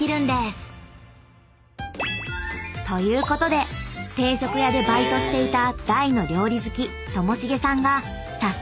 ［ということで定食屋でバイトしていた］